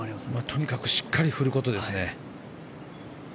とにかくしっかり振ることですね。